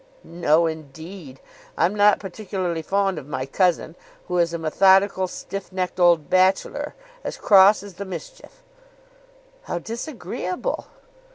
"No, indeed. I'm not particularly fond of my cousin, who is a methodical stiff necked old bachelor, as cross as the mischief." "How disagreeable!"